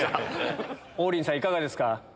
王林さんいかがですか？